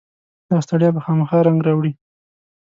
داستړیا به خامخا رنګ راوړي.